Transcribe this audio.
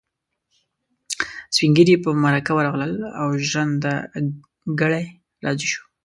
سپين ږيري په مرکه ورغلل او ژرنده ګړی راضي شو.